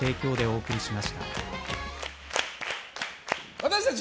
私たち